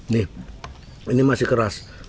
nih ini masih keras